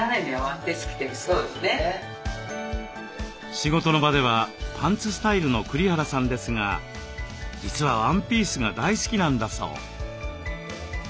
仕事の場ではパンツスタイルの栗原さんですが実はワンピースが大好きなんだそう。